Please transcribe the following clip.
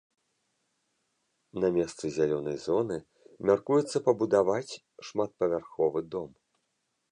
На месцы зялёнай зоны мяркуецца пабудаваць шматпавярховы дом.